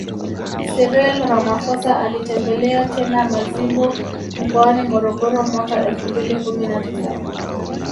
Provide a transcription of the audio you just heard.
Cyril Ramaphosa alitembelea tena Mazimbu mkoani Morogoro mwaka elfu mbili kumi na tisa